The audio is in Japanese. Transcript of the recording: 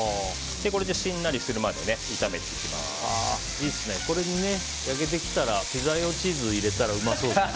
これでしんなりするまでこれに焼けてきたらピザ用チーズを入れたらうまそうですね。